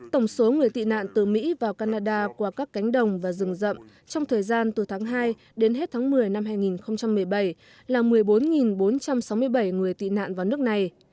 tổng số người tị nạn từ mỹ vào canada qua các cánh đồng và rừng rậm trong thời gian từ tháng hai đến hết tháng một mươi năm hai nghìn một mươi bảy là một mươi bốn bốn trăm sáu mươi bảy người tị nạn vào nước này